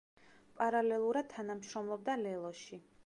პარალელურად თანამშრომლობდა „ლელოში“.